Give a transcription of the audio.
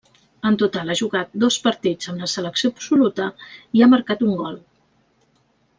En total ha jugat dos partits amb la selecció absoluta i ha marcat un gol.